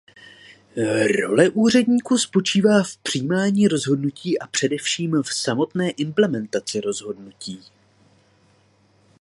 Role úředníků spočívá v přijímání rozhodnutí a především v samotné implementaci rozhodnutí.